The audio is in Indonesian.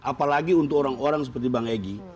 apalagi untuk orang orang seperti bang egy